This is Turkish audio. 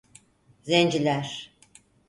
Zenciler…